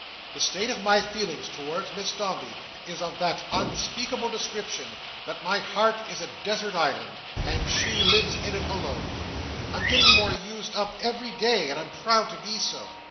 The state of my feelings towards Miss Dombey is of that unspeakable description, that my heart is a desert island, and she lives in it alone. I'm getting more used up every day, and I'm proud to be so.